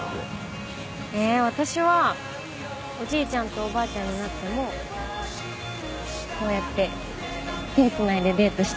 ええ私はおじいちゃんとおばあちゃんになってもこうやって手繋いでデートしたい。